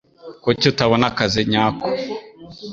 Kuki utabona akazi nyako?